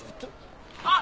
あっ！